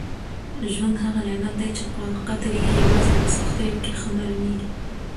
ژوند هغه نعمت دی چي قدر یې یوازې په سختیو کي ښه معلومېږي.